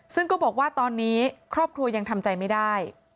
ซึ่งก็บอกว่าตอนนี้ครอบครัวยังทำใจไม่ได้